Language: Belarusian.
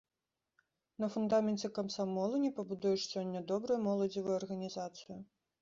На фундаменце камсамолу не пабудуеш сёння добрую моладзевую арганізацыю.